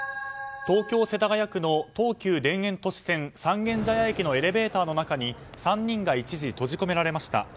東京・世田谷区の東急田園都市線三軒茶屋駅のエレベーターの中に３人が一時閉じ込められました。